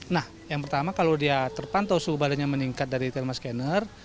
nah yang pertama kalau dia terpantau suhu badannya meningkat dari thermal scanner